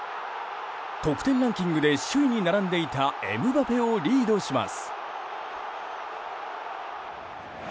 得点ランキングで首位に並んでいたエムバペをリードします。